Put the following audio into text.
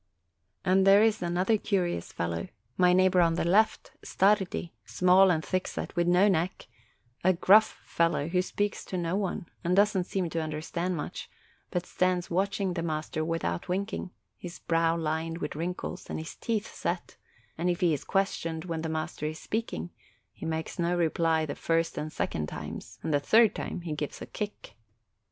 And there is another curi ous fellow, my neighbor on the left, Stardi small and thickset, with no neck, a gruff fellow, who speaks A GENEROUS DEED A GENEROUS DEED n to no one, and doesn't seem to understand much, but stands watching the master without winking, his brow lined with wrinkles, and his teeth set; and if he is questioned when the master is speaking, he makes no reply the first and second times, and the third time he gives a kick.